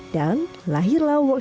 dan langsung dia mencoba untuk mencoba